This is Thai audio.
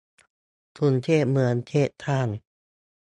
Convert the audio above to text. กรุงเทพเมืองเทพสร้าง